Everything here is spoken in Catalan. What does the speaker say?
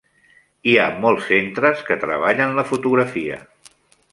Hi ha molts centres que treballen la fotografia.